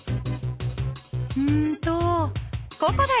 うんとココだよ。